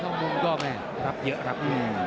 ในตอนยก๓เดินข้างบนรับเยอะครับ